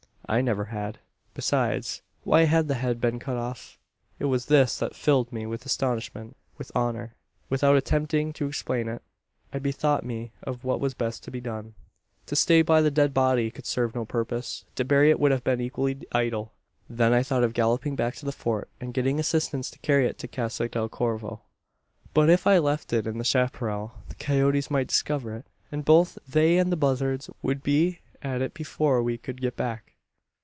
"I never had. "Besides, why had the head been cut off? "It was this that filled me with astonishment with horror. "Without attempting to explain it, I bethought me of what was best to be done. "To stay by the dead body could serve no purpose. To bury it would have been equally idle. "Then I thought of galloping back to the Fort, and getting assistance to carry it to Casa del Corvo. "But if I left it in the chapparal, the coyotes might discover it; and both they and the buzzards would be at it before we could get back.